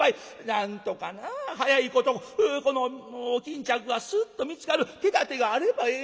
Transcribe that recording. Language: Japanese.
なんとかな早いことこのお巾着がスッと見つかる手だてがあればええのにな。